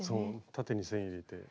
縦に線入れて。